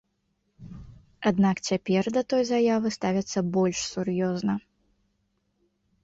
Аднак цяпер да той заявы ставяцца больш сур'ёзна.